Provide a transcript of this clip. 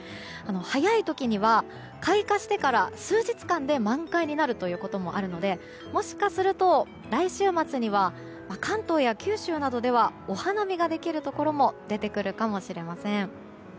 早い時には、開花してから数日間で満開になるということもあるのでもしかすると、来週末には関東や九州などではお花見ができるところも出てくるかもしれません。